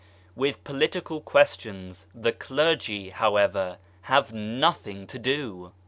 With Political Questions the Clergy, however, have nothing to do